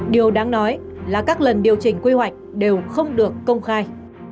điều đáng nói là các lần điều chỉnh quy hoạch đều không được công khai